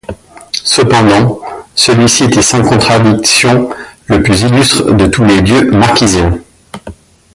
Cependant, celui-ci était sans contradiction le plus illustre de tous les dieux Marquisiens.